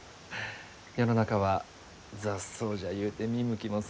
世の中は雑草じゃゆうて見向きもせんのに。